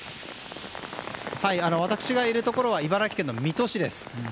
私がいるところは茨城県水戸市です。